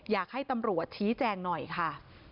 อยากให้ตำรวจชี้แจงหน่อยค่ะ